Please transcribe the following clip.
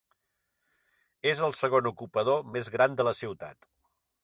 És el segon ocupador més gran de la ciutat.